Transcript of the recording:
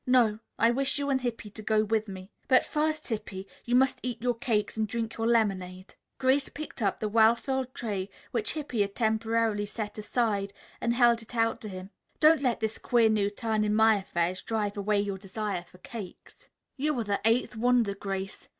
"No; I wish you and Hippy to go with me. But first, Hippy, you must eat your cakes and drink your lemonade." Grace picked up the well filled tray which Hippy had temporarily set aside and held it out to him. "Don't let this queer new turn in my affairs drive away your desire for cakes." "You are the eighth wonder, Grace.